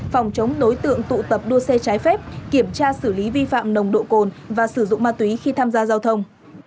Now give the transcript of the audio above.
phòng chống đối tượng tụ tập đua xe trái phép kiểm tra xử lý vi phạm nồng độ cồn và sử dụng ma túy khi tham gia giao thông